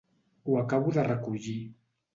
Ho acabo de recollir.